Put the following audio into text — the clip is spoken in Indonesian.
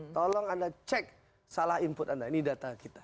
tolong anda cek salah input anda ini data kita